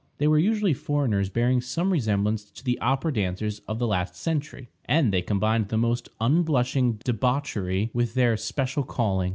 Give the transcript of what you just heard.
They were usually foreigners, bearing some resemblance to the opera dancers of the last century, and they combined the most unblushing debauchery with their special calling.